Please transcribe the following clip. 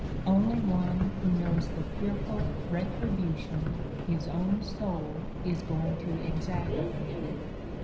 Only one who knows the fearful retribution his own soul is going to exact of him.